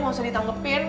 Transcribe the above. gak usah ditanggepin